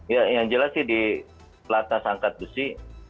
yang jelas sih di latas angkat besi